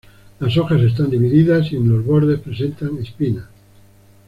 Las hojas están divididas y en los bordes presentan espinas.